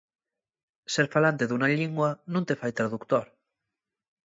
Ser falante d'una llingua nun te fai traductor.